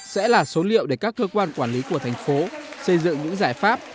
sẽ là số liệu để các cơ quan quản lý của thành phố xây dựng những giải pháp